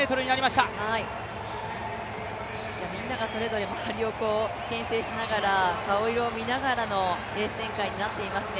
みんながそれぞれ周りをけん制しながら顔色を見ながらのレース展開になっていますね。